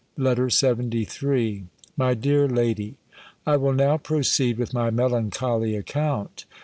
B. LETTER LXXIII MY DEAR LADY, I will now proceed with my melancholy account.